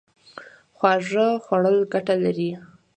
خواږه خوړل ګټه لري